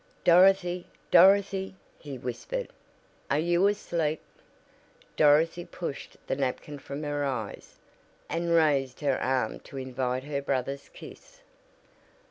"Dorothy! Dorothy!" he whispered. "Are you asleep?" Dorothy pushed the napkin from her eyes, and raised her arm to invite her brother's kiss.